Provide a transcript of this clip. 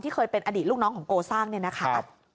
เคยเป็นอดีตลูกน้องของโกซ่าเนี่ยนะคะ